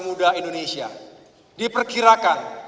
muda indonesia di perkembangan